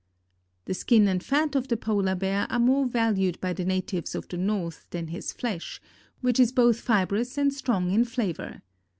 The skin and fat of the Polar Bear are more valued by the natives of the north than his flesh, which is both fibrous and strong in flavor.